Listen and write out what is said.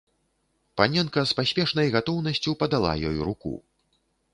Паненка з паспешнай гатоўнасцю падала ёй руку.